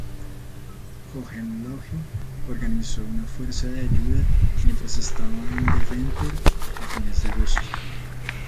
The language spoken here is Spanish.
Hohenlohe organizó una fuerza de ayuda mientras estaba en Deventer a fines de agosto.